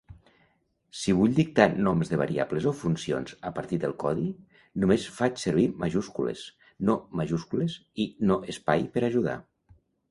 Si vull dictar noms de variables o funcions a partir del codi, només faig servir "majúscules", "no majúscules" i "no espai" per ajudar..